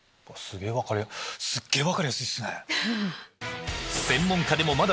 すげぇ分かりやすいっすね。